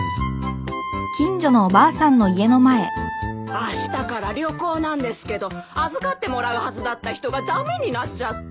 あしたから旅行なんですけど預かってもらうはずだった人が駄目になっちゃって。